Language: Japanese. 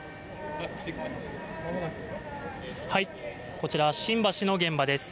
こちら、新橋の現場です。